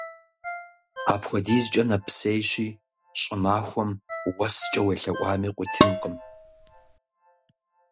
Апхуэдизкӏэ нэпсейщи, щӏымахуэм уэскӏэ уелъэӏуами къыуитынкъым.